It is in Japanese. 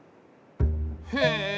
へえ！